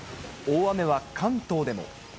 大雨は関東でも。